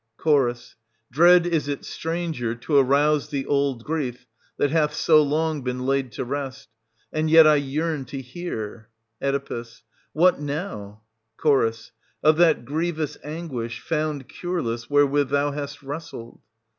Ch. Dread is it, stranger, to arouse the old grief ^/r.r. that hath so long been laid to rest : and yet I yearn to ^^^ hear Oe. What now.? Ch. — of that grievous anguish, found cureless, wherewith thou hast wrestled.